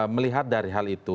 melihat dari hal itu